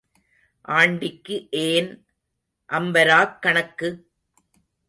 ஆண்டிக்கு ஏன் அம்பாரக் கணக்கு?